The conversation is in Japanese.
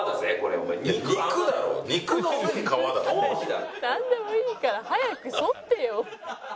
なんでもいいから早くそってよ。